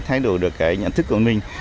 thay đổi được cái nhận thức của mình